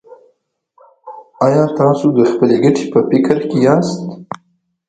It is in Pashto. ایا تاسو د خپلې ګټې په فکر کې یاست.